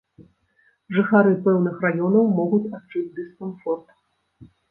Жыхары пэўных раёнаў могуць адчуць дыскамфорт.